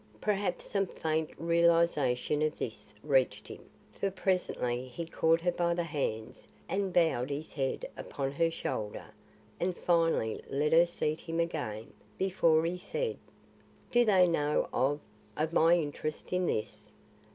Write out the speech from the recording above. Perhaps some faint realisation of this reached him, for presently he caught her by the hands and bowed his head upon her shoulder and finally let her seat him again, before he said: "Do they know of of my interest in this?"